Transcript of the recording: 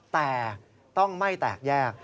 แต่ต้องไม่แตกแยก